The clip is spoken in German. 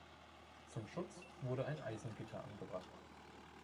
Zum Schutz wurde ein Eisengitter angebracht.